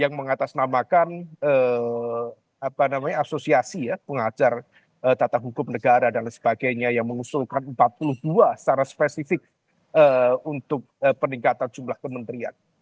yang mengatasnamakan asosiasi ya pengajar tata hukum negara dan lain sebagainya yang mengusulkan empat puluh dua secara spesifik untuk peningkatan jumlah kementerian